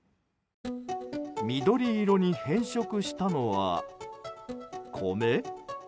緑色に変色したのは米？